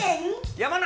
山梨。